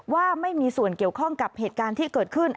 ว่าไม่มีส่วนเกี่ยวข้องกับเหตุการณ์ที่เกิดขึ้น